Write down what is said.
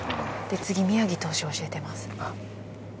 次、宮城投手を教えてます。